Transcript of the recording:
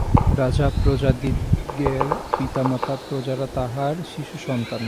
রাজা প্রজাদিগের পিতামাতা, প্রজারা তাঁহার শিশুসন্তান।